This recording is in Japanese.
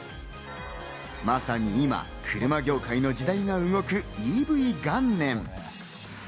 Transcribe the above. まさに今、車業界の時代が動くＥＶ元年。